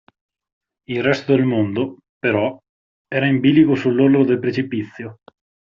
Il resto del mondo, però, era in bilico sull'orlo del precipizio.